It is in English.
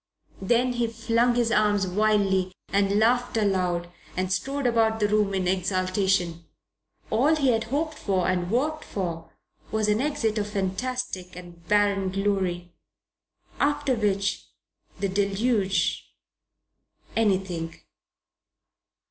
Then he flung up his arms wildly and laughed aloud and strode about the room in exultation. All he had hoped for and worked for was an exit of fantastic and barren glory. After which, the Deluge anything.